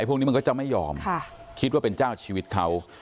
พวกนี้มันก็จะไม่ยอมคิดว่าเป็นเจ้าชีวิตเขา